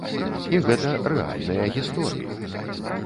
І гэта рэальныя гісторыі.